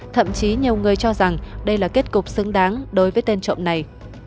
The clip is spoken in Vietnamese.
thậm chí nhiều người cho rằng đây là kết cục xứng đáng đối với tên trộm này